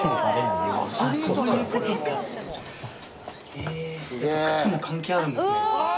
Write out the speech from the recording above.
え靴も関係あるんですね。